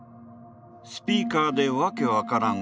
スピーカーで訳分からん